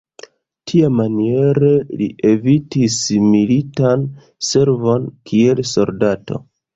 Tiamaniere li evitis militan servon kiel soldato.